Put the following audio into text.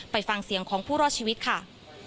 ไปฟังเสียงของผู้รอดชีวิตค่ะ